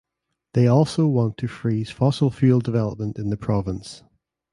They also want to freeze fossil fuel development in the province.